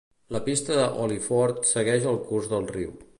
La pista de Hollyford segueix el curs del riu.